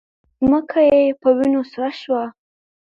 ځمکه یې په وینو سره شوه